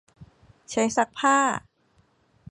ใช้ซักผ้า ?